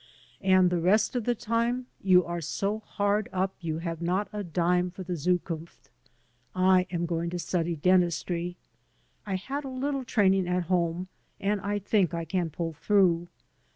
And the rest of the time you are so hard up you have not a dime for the ZukunfL I am going to study dentistry. I had a little training at home, and I think I can pull through.